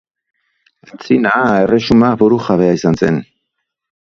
Antzina erresuma burujabea izan zen.